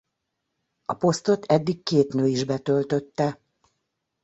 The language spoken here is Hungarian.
A posztot eddig két nő is betöltötte.